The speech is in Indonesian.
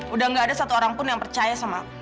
udah gak ada satu orang pun yang percaya sama